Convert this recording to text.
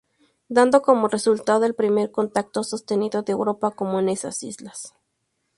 Dando como resultado el primer contacto sostenido de Europa con esas islas.